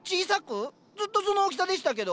ずっとその大きさでしたけど？